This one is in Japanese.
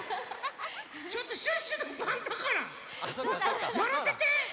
ちょっとシュッシュのばんだから！やらせて！